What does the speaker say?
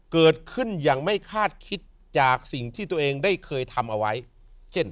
เกิดขึ้นอย่างไม่คาดคิดจากสิ่งที่ตัวเองได้เคยทำเอาไว้เช่น